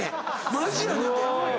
マジやねんで。